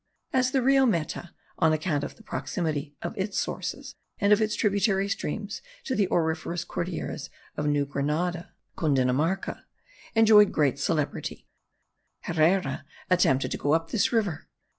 As the Rio Meta, on account of the proximity of its sources and of its tributary streams to the auriferous Cordilleras of new Grenada (Cundinamarca), enjoyed great celebrity, Herrera attempted to go up this river.